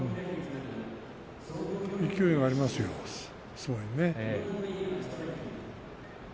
勢いがありますね。